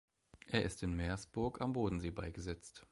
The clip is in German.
Er ist in Meersburg am Bodensee beigesetzt.